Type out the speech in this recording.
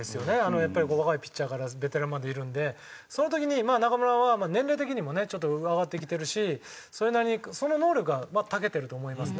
やっぱり若いピッチャーからベテランまでいるんでその時に中村は年齢的にもねちょっと上がってきてるしそれなりにその能力はまあたけてると思いますね。